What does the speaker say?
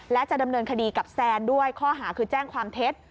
และจะดำเนินคดีกับแซนด้วยข้อหาคือแจ้งความเท็จ